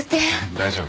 大丈夫。